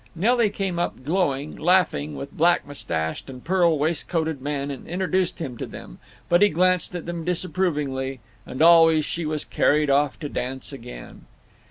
Nelly came up, glowing, laughing, with black mustached and pearl waistcoated men, and introduced him to them, but he glanced at them disapprovingly; and always she was carried off to dance again.